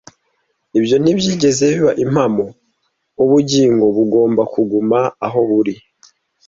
Ibyo ntibyigeze biba impamo. Ubugingo bugomba kuguma aho buri,